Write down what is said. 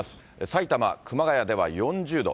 埼玉・熊谷では４０度。